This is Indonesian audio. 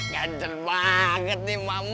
ganten banget nih mama